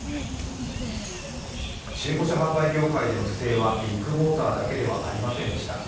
中古車販売業界での不正はビッグモーターだけではありませんでした。